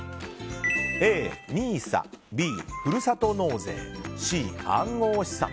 Ａ、ＮＩＳＡＢ、ふるさと納税Ｃ、暗号資産。